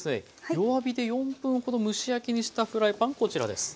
弱火で４分ほど蒸し焼きにしたフライパンこちらです。